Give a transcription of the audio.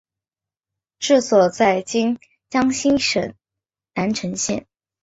治所在今江西省南城县。